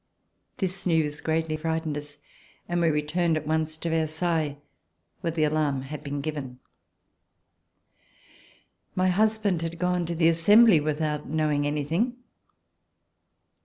This news greatly frightened us, and we returned at once to Versailles, where the alarm had been given. My husband had gone to the Assembly without knowing anything.